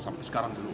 sampai sekarang belum